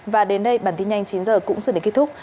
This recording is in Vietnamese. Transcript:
và đến đây bản tin nhanh chín h cũng xin đến kết thúc